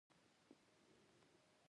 تا څه وویل ؟ لږ ږغ لوړ کړه !